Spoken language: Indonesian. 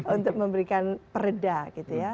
untuk memberikan pereda gitu ya